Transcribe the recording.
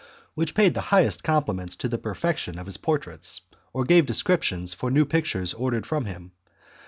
which paid the highest compliments to the perfection of his portraits, or gave descriptions for new pictures ordered from him.